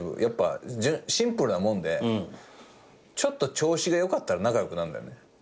やっぱシンプルなもんでちょっと調子が良かったら仲良くなるんだよね。